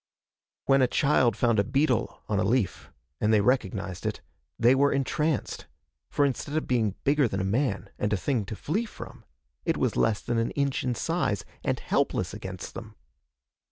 When a child found a beetle on a leaf, and they recognized it, they were entranced, for instead of being bigger than a man and a thing to flee from, it was less than an inch in size and helpless against them.